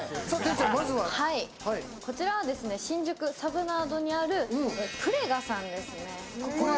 こちらは新宿サブナードにあるＰＲＥＧＡさんですね。